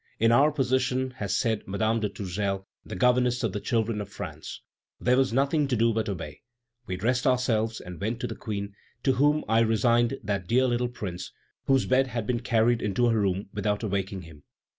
"In our position," has said Madame de Tourzel, the governess of the children of France, "there was nothing to do but obey. We dressed ourselves and then went to the Queen, to whom I resigned that dear little Prince, whose bed had been carried into her room without awaking him."